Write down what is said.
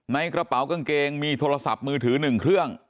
ในกระเป๋ากางเกงมีโทรศัพท์มือถือ๑เครื่อง